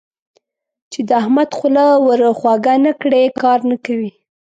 چې د احمد خوله ور خوږه نه کړې؛ کار نه کوي.